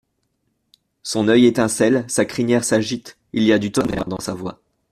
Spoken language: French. Son oeil étincelle, sa crinière s'agite ; il y a du tonnerre dans sa voix.